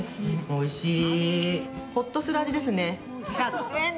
おいしい。